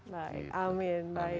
baik amin baik